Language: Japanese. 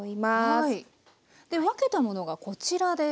分けたものがこちらです。